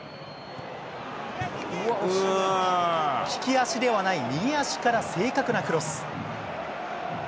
利き足ではない右足から正確なクロス。